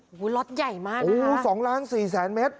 โหโหยล็อตใหญ่มากนะคะโหสองล้าน๔แสนเมตร